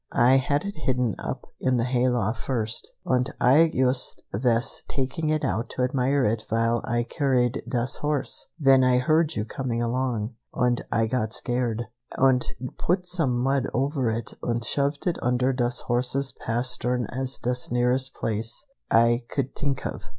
"Ay had it hidden up in the hay loft first, und Ay yust vas taking it out to admire it vile Ay curried das horse, ven Ay heard you coming along, und Ay got scared, und put some mud over it und shoved it under das horse's pastern as das nearest place Ay could tink of!